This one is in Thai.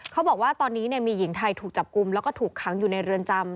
เขาบอกว่าตอนนี้มีหญิงไทยถูกจับกลุ่มแล้วก็ถูกค้างอยู่ในเรือนจำ